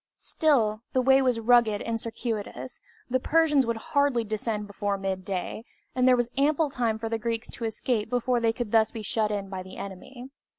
Still, the way was rugged and circuitous, the Persians would hardly descend before midday, and there was ample time for the Greeks to escape before they could thus be shut in by the enemy.